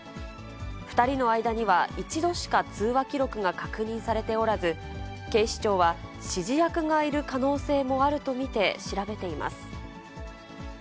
２人の間には一度しか通話記録が確認されておらず、警視庁は指示役がいる可能性もあると見て調べています。